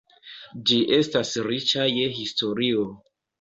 Ĝi estas riĉa je historio.